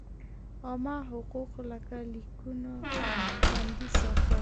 عامه حقوق لکه لیکونو خوندي ساتل.